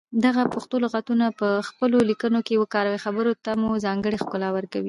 دغه پښتو لغتونه په خپلو ليکنو کې وکاروئ خبرو ته مو ځانګړې ښکلا ورکوي.